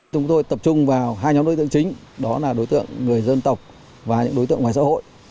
chúng tôi tập trung vào hai nhóm đối tượng chính đó là đối tượng người dân tộc và những đối tượng ngoài xã hội